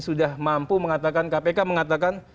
sudah mampu mengatakan kpk mengatakan